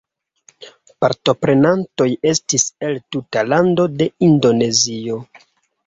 Partoprenantoj estis el tuta lando de Indonezio.